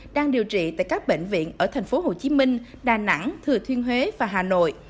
đang điều trị tại các bệnh viện ở tp hcm đà nẵng thừa thiên huế và hà nội